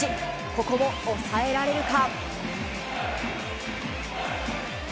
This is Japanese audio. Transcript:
ここも抑えられるか。